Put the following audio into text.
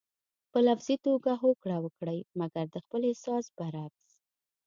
په لفظي توګه هوکړه وکړئ مګر د خپل احساس برعکس.